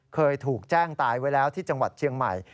เคยถูกแจ้งตายไว้แล้วที่จังหวัดเชียงใหม่